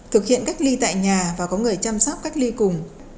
thực hiện cách ly tại nhà và có người chăm sóc cách ly cùng